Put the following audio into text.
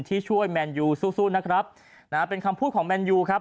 ที่ช่วยแมนยูสู้สู้นะครับนะฮะเป็นคำพูดของแมนยูครับ